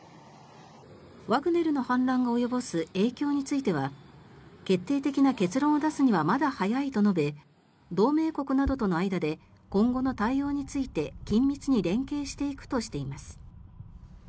ワグネルの反乱が及ぼす影響については決定的な結論を出すにはまだ早いと述べ同盟国などとの間で今後の対応について緊密に連携していくとしています。